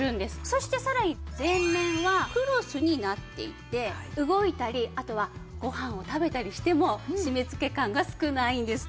そしてさらに前面はクロスになっていて動いたりあとはご飯を食べたりしても締め付け感が少ないんです。